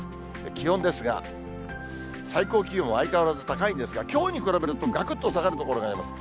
気温ですが、最高気温は相変わらず高いんですが、きょうに比べるとがくっと下がる所があります。